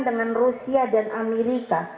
dengan rusia dan amerika